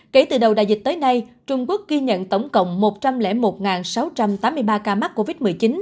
kể từ đầu đại dịch tới nay trung quốc ghi nhận tổng cộng một trăm linh một sáu trăm tám mươi ba ca mắc covid một mươi chín